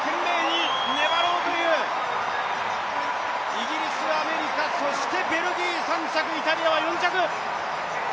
イギリス、アメリカ、そしてベルギーイタリアは４着。